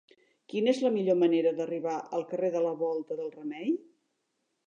Quina és la millor manera d'arribar al carrer de la Volta del Remei?